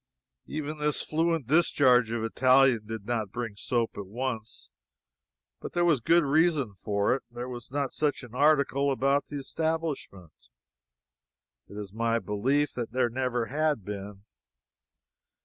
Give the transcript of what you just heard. Even this fluent discharge of Italian did not bring the soap at once, but there was a good reason for it. There was not such an article about the establishment. It is my belief that there never had been.